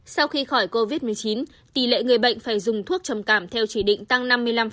sau khi khỏi covid một mươi chín tỷ lệ người bệnh phải dùng thuốc trầm cảm theo chỉ định tăng năm mươi năm